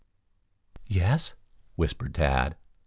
"Yes?" whispered Tad.